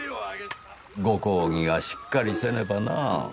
ご公儀がしっかりせねばな。